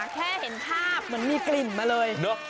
แค่เห็นภาพเหมือนมีกลิ่นมาเลย